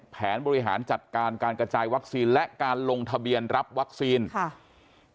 แผนบริหารจัดการการกระจายวัคซีนและการลงทะเบียนรับวัคซีนค่ะ